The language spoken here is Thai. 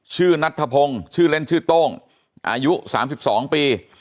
ชื่อนัทธพงศ์ชื่อเล่นชื่อโต้งอายุสามสิบสองปี